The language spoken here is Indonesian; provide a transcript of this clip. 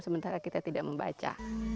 sementara kita tidak membaca